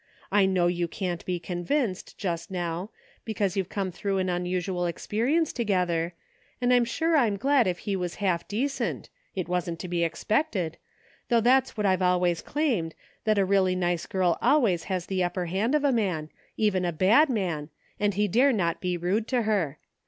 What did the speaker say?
I know you can't be convinced, just now, because you've come through an tmusual experience together, and I'm sure I'm glad if he was half decent — it wasn't to be expected — though 159 (( €C THE FINDING OF JASPER HOLT it's what I've always claimed, that a really nice girl al ways has the upper hand of a man, even a bad man, and he dare not be rude to her.